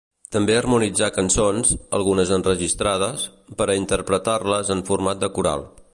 També harmonitzà cançons, algunes enregistrades, per a interpretar-les en format de coral.